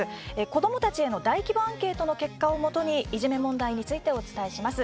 子どもたちへの大規模アンケートの結果をもとにいじめ問題についてお伝えします。